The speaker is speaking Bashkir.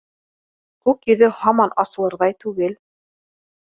Күк йөҙө һаман асылырҙай түгел